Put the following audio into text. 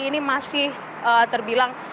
ini masih terbilang